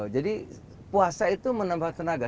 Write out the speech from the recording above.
jadi puasa itu menambah tenaga